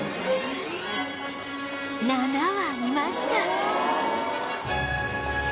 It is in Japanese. ７羽いました